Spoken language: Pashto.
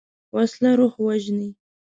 وسله روح وژني